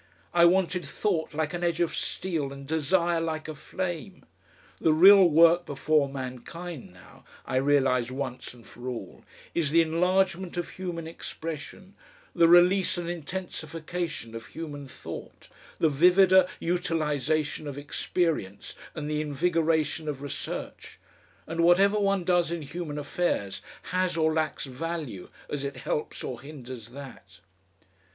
I wanted thought like an edge of steel and desire like a flame. The real work before mankind now, I realised once and for all, is the enlargement of human expression, the release and intensification of human thought, the vivider utilisation of experience and the invigoration of research and whatever one does in human affairs has or lacks value as it helps or hinders that.